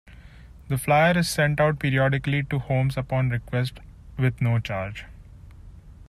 The flyer is sent out periodically to homes upon request with no charge.